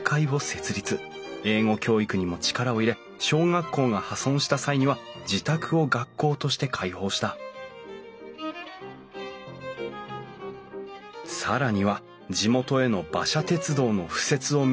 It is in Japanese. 英語教育にも力を入れ小学校が破損した際には自宅を学校として開放した更には地元への馬車鉄道の敷設を目指し